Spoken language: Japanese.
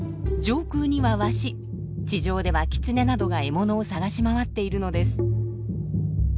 上空にはワシ地上ではキツネなどが獲物を探し回っているのです。